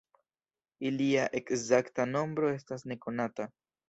Ilia ekzakta nombro estas nekonata.